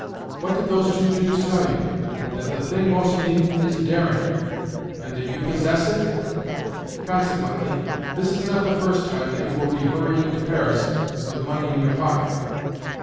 What did those two Jews tell you?—that the thing most needed is daring, and that you possess it? Consequently, this is not the first time that you will be hurrying to Paris with money in your pocket.